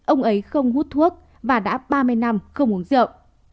ông ấy không hút thuốc và đã ba mươi năm không uống rượu